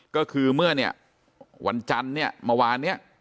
ก็คือเมื่อเนี่ยวันจันทร์เนี่ยเมื่อวานเนี่ย